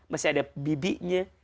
masih ada bibinya